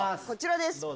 こちらです